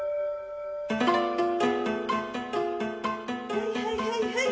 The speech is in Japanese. はいはいはいはい！